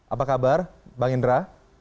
apa kabar bang indra